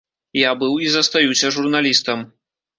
Я быў і застаюся журналістам.